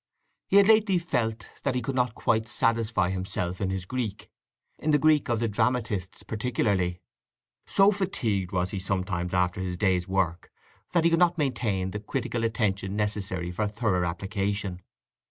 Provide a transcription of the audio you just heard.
He had lately felt that he could not quite satisfy himself in his Greek—in the Greek of the dramatists particularly. So fatigued was he sometimes after his day's work that he could not maintain the critical attention necessary for thorough application.